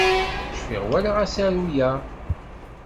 Cfiɣ walaɣ asaru-a.